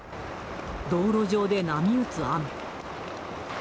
道路上で波打つ雨。